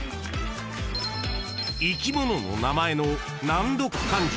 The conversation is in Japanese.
［生き物の名前の難読漢字］